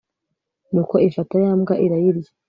nuko ifata yambwa irayirya